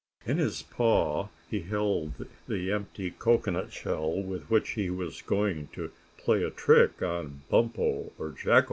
In his paw he held the empty cocoanut shell with which he was going to play a trick on Bumpo or Jacko.